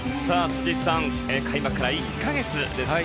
開幕から１か月ですね。